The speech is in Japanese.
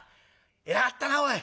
偉かったなおい。